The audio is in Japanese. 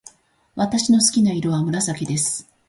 私の好きな色は紫です。